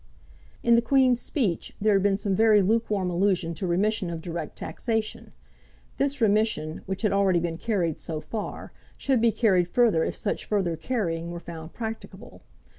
In the Queen's Speech there had been some very lukewarm allusion to remission of direct taxation. This remission, which had already been carried so far, should be carried further if such further carrying were found practicable.